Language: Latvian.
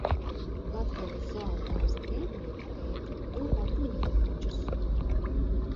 Latgales zoodārza pētnieki pēta purva bruņurupučus.